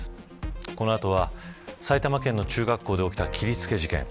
この後は埼玉県の中学校で起きた切りつけ事件。